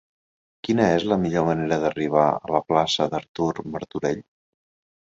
Quina és la millor manera d'arribar a la plaça d'Artur Martorell?